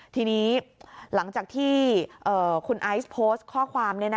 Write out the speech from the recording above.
ทีนี้หลังจากที่คุณไอซ์โพสต์ข้อความ